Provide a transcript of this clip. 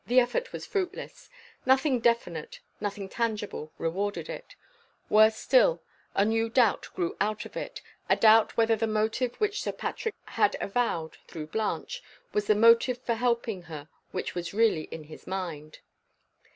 The effort was fruitless: nothing definite, nothing tangible, rewarded it. Worse still, a new doubt grew out of it a doubt whether the motive which Sir Patrick had avowed (through Blanche) was the motive for helping her which was really in his mind.